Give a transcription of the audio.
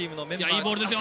◆いいボールですよ。